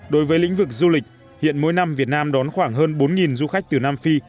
đối với lĩnh vực du lịch hiện mỗi năm việt nam đón khoảng hơn bốn du khách từ nam phi